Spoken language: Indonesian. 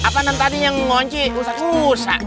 pak nen tadi yang ngunci rusak rusak